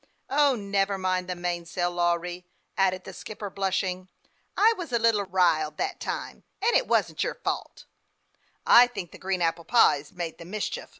" O, never mind the mainsail, Lawry," added the skipper, blushing. " I was a leetle riled that time, and it wan't your fault.". " I think the green apple pies made the mischief.